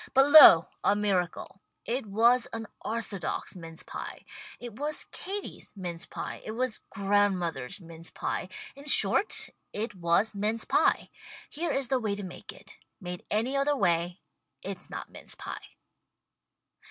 But lo, a miracle. It was an orthodox mince pie. It was Katie's mince pie. It was grandmother's mince pie — in short, it was mince pie. Here is the way to make it. Made any other way it's not mince pie.